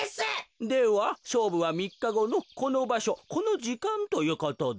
ではしょうぶはみっかごのこのばしょこのじかんということで。